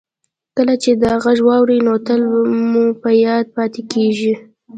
کله چې دا غږ واورئ نو تل مو په یاد پاتې کیږي